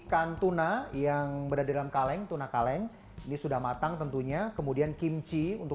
ikan tuna yang berada dalam kaleng tuna kaleng ini sudah matang tentunya kemudian kimchi untuk